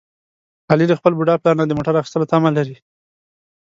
علي له خپل بوډا پلار نه د موټر اخیستلو تمه لري.